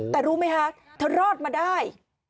แต่รู้ไหมคะเธอรอดมาได้